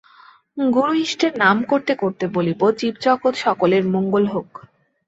গুরু-ইষ্টের নাম করতে করতে বলবি জীব-জগৎ সকলের মঙ্গল হোক।